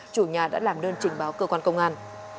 chủ nhà đã làm đơn trình báo cơ quan công an